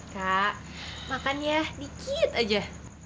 kak makan ya dikit aja